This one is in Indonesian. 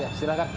oh ya silahkan